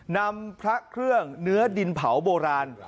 นำพระเครื่องเนื้อดินเผาโบราณ